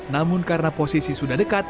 namun karena posisi sudah dekat